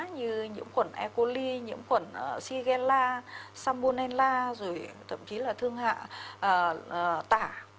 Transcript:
như nhiễm khuẩn e coli nhiễm khuẩn shigella shambunella rồi thậm chí là thương hạ tả